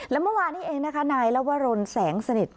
และเมื่อวานนี้เองนะคะนายลวรนแสงสนิท